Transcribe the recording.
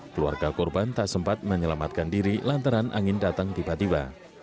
keluarga korban tak sempat menyelamatkan diri lantaran angin datang tiba tiba